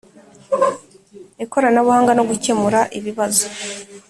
ikoranabuhanga no gukemura ibibazo